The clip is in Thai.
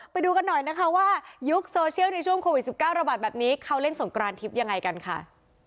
ไปดูกันหน่อยนะคะว่ายุคโซเชียลในช่วงโควิด๑๙ระบาดแบบนี้เขาเล่นสงกรานทิพย์ยังไงกันค่ะ